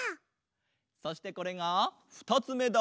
そしてこれがふたつめだ。